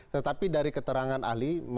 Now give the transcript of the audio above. tetapi dari keterangan ahli